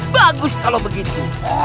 bagus kalau begitu